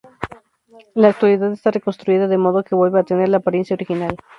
En la actualidad está reconstruida, de modo que vuelve a tener la apariencia original.